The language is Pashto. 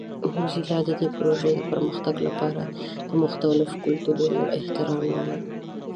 موزیلا د دې پروژې د پرمختګ لپاره د مختلفو کلتورونو احترام لري.